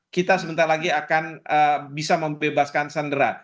kita sebentar lagi akan bisa membebaskan sandera